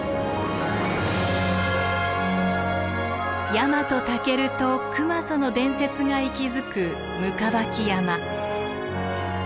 ヤマトタケルと熊襲の伝説が息づく行縢山。